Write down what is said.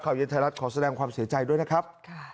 เย็นไทยรัฐขอแสดงความเสียใจด้วยนะครับ